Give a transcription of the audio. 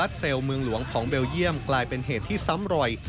เบลเยี่ยมกลายเป็นเหตุที่ซ้ำรอย